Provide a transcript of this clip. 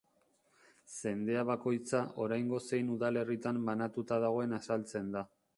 Zendea bakoitza oraingo zein udalerritan banatuta dagoen azaltzen da.